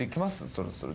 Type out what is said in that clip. そろそろ。